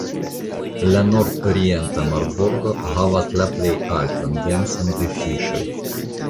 La nordorienta marbordo havas la plej altan denson de fiŝoj.